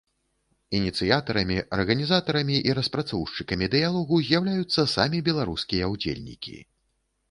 Ініцыятарамі, арганізатарамі і распрацоўшчыкамі дыялогу з'яўляюцца самі беларускія ўдзельнікі.